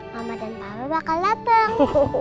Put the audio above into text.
mama dan papa bakal dateng